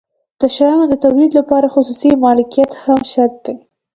د شیانو د تولید لپاره خصوصي مالکیت هم شرط دی.